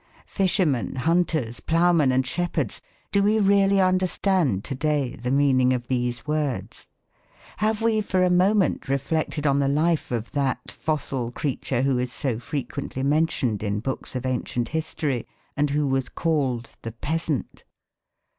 Fishermen, hunters, ploughmen, and shepherds do we really understand to day the meaning of these words? Have we for a moment reflected on the life of that fossil creature who is so frequently mentioned in books of ancient history and who was called the peasant?